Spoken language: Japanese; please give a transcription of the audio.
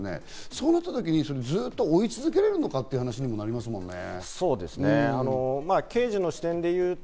そうなったとき、ずっと追い続けることができるのかという話になりますね。